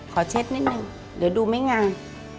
เช็ดนิดนึงเดี๋ยวดูไม่งัง